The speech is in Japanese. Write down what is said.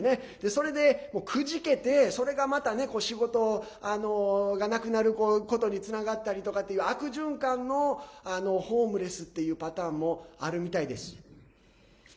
それで、くじけてそれがまた仕事がなくなることにつながったりとかっていう悪循環のホームレスっていうパターンもあるみたいです。